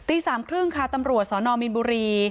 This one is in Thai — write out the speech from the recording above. ตีสามครึ่งค่ะตำรวจสอนอมีนบุรี